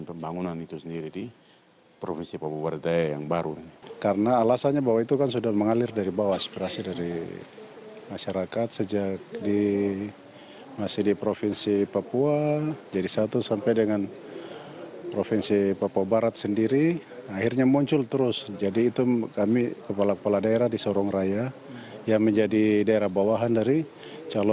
pemekaran tersebut di wilayah sorong raya